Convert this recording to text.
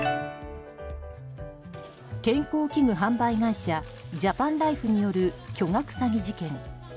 健康器具販売会社ジャパンライフによる巨額詐欺事件。